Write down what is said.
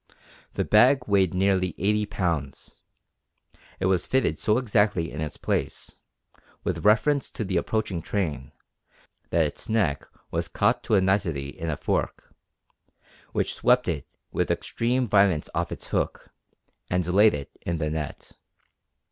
The bag weighed nearly eighty pounds. It was fitted so exactly in its place, with reference to the approaching train, that its neck was caught to a nicety in a fork, which swept it with extreme violence off its hook, and laid it in the net.